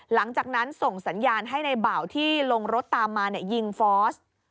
หลังจากนั้นส่งสัญญาณให้ในเบาที่ลงรถตามมายิงฟอส